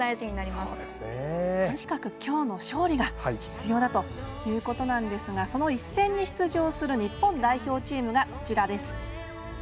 とにかくきょうの勝利が必要だということなんですがその１戦に出場する日本代表チームがこちらです。